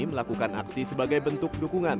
melakukan aksi sebagai bentuk dukungan